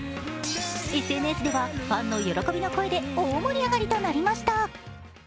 ＳＮＳではファンの喜びの声で大盛り上がりとなりました。